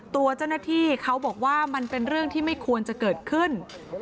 ตัวเจ้าหน้าที่เขาบอกว่ามันเป็นเรื่องที่ไม่ควรจะเกิดขึ้น